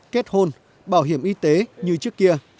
kết hôn bảo hiểm y tế như trước kia